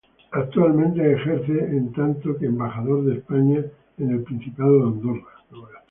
Actualmente ejerce en tanto que Embajador de España en el Principado de Andorra.